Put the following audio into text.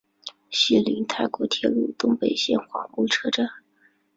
西邻泰国铁路东北线华目车站。